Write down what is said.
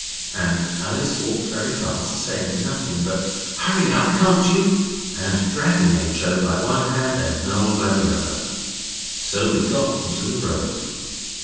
And Alice walked very fast, saying nothing but 'Hurry up, can't you!' and dragging H. O. by one hand and Noel by the other. So we got into the road.